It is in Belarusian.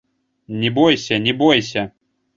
Не бойся, не бойся.